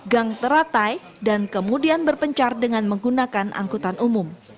gang teratai dan kemudian berpencar dengan menggunakan angkutan umum